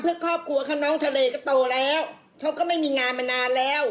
เด็กก็โตแล้วเขาก็ไม่มีงานมานานแล้ว